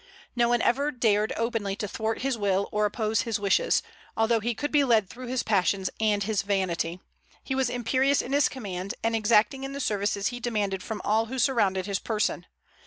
No one ever dared openly to thwart his will or oppose his wishes, although he could be led through his passions and his vanity: he was imperious in his commands, and exacting in the services he demanded from all who surrounded his person.